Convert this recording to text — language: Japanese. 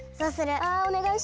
あおねがいします。